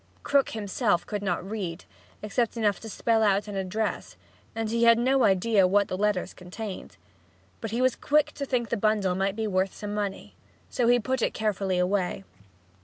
Krook himself could not read, except enough to spell out an address, and he had no idea what the letters contained. But he was quick to think the bundle might be worth some money. So he put it carefully away.